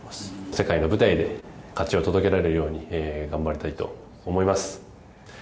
世界の舞台で勝ちを届けられるように頑張りたいと思います。